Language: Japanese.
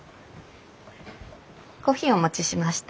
コーヒーお持ちしました。